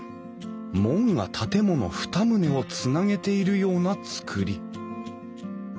門が建物２棟をつなげているような造り。